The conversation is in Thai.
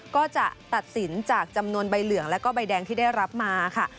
ก็จะตัดสินจากจำนวนใบเหลืองแล้วก็ใบแดงที่ได้รับมาค่ะ